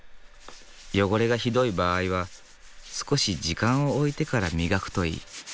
汚れがひどい場合は少し時間を置いてから磨くといい。